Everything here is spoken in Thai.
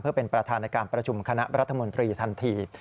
เพื่อเป็นประธานในการประชุมคณะรัฐมนตรีทันที